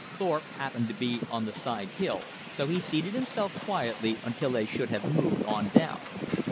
Thorpe happened to be on the side hill, so he seated himself quietly until they should have moved on down.